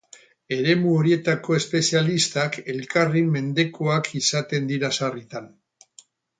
Eremu horietako espezialistak elkarren mendekoak izaten dira sarritan.